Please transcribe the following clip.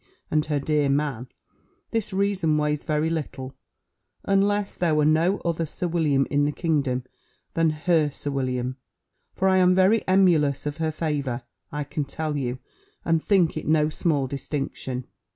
and her dear man_, this reason weighs very little, unless there were no other Sir William in the kingdom than her Sir William: for I am very emulous of her favour, I can tell you, and think it no small distinction."